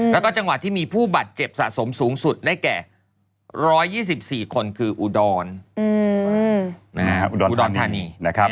แล้วก็จังหวัดที่มีผู้บาดเจ็บสะสมสูงสุดได้แก่๑๒๔คนคืออุดรอุดรธานีนะครับ